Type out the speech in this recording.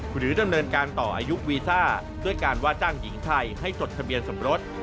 หรือดำเนินการต่ออายุวีซ่าด้วยการว่าจ้างหญิงไทยให้จดทะเบียนสมรส